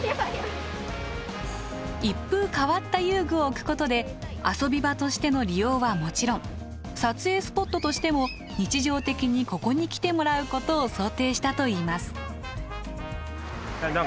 一風変わった遊具を置くことで遊び場としての利用はもちろん撮影スポットとしても日常的にここに来てもらうことを想定したといいます。